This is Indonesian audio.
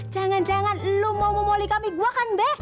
jangan jangan lu mau memoli kami gue kan be